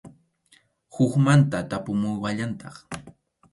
Hukmanta tapumuwallantaq.